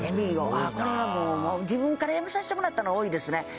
ああこれはもう自分からやめさせてもらったの多いですね。